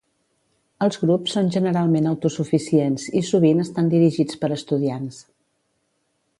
Els grups són generalment autosuficients i sovint estan dirigits per estudiants.